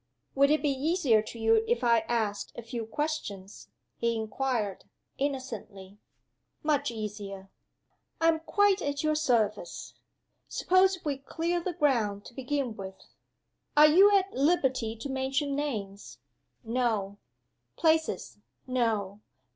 "Would it be easier to you if I asked a few questions?" he inquired, innocently. "Much easier." "I am quite at your service. Suppose we clear the ground to begin with? Are you at liberty to mention names?" "No." "Places?" "No."